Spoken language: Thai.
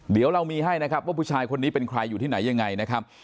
เดี๋ยวเรามีให้นะครับว่าผู้ชายคนนี้เป็นใครอยู่ที่ไหนยังไงนะครับ